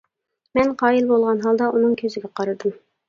مەن قايىل بولغان ھالدا ئۇنىڭ كۆزىگە قارىدىم.